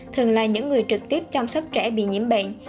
thường là những người trực tiếp chăm sóc trẻ bị nhiễm bệnh